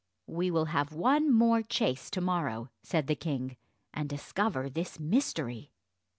"We will have one more chase to morrow," said the king, "and discover this mystery."